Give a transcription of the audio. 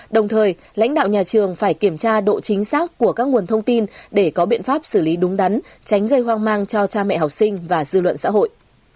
đồng thời lãnh đạo nhà trường phải kiểm tra độ chính xác của các nguồn thông tin để có biện pháp xử lý đúng đắn tránh gây hoang mang cho cha mẹ học sinh và dư luận xã hội